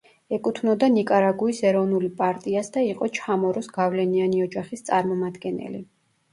ეკუთვნოდა ნიკარაგუის ეროვნული პარტიას და იყო ჩამოროს გავლენიანი ოჯახის წარმომადგენელი.